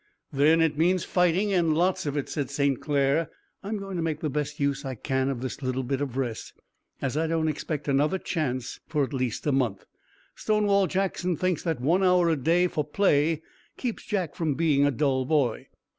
"Then it means fighting and lots of it," said St. Clair. "I'm going to make the best use I can of this little bit of rest, as I don't expect another chance for at least a month. Stonewall Jackson thinks that one hour a day for play keeps Jack from being a dull boy."